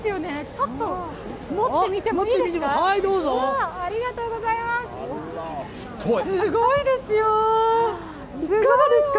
ちょっと持ってみてもいいですか。